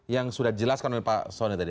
yang sudah dijelaskan oleh pak soni tadi